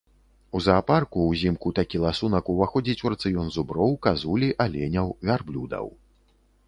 У заапарку ўзімку такі ласунак уваходзіць у рацыён зуброў, казулі, аленяў, вярблюдаў.